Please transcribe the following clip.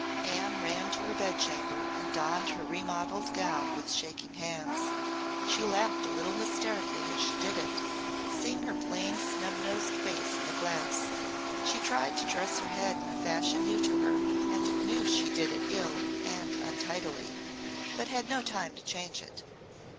Anne ran to her bed chamber and donned her remodelled gown with shaking hands. She laughed a little hysterically as she did it, seeing her plain snub nosed face in the glass. She tried to dress her head in a fashion new to her, and knew she did it ill and untidily, but had no time to change it.